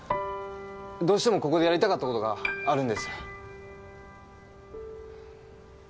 どうしてもここでやりたかった事があるんです。